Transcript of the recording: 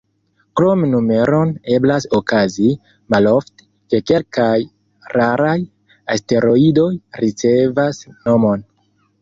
Krom numeron, eblas okazi, malofte, ke kelkaj raraj asteroidoj ricevas nomon.